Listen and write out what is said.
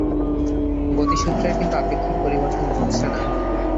গতিসূত্রের কিন্তু আপেক্ষিক পরিবর্তন ঘটছে না।